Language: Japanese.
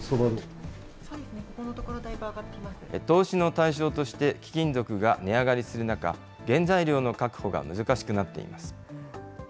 投資の対象として、貴金属が値上がりする中、原材料の確保が難しくなっています。